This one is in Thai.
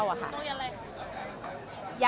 ก็เหลือสอบสัมภาษณ์สำหรับโรงเรียนอีกปีข้างหน้าที่จะต้องเข้า